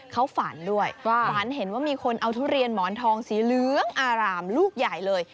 เขาฝันด้วยฝันเห็นว่ามีคนเอาทุเรียนหมอนทองสีเหลืองอารามลูกใหญ่เลย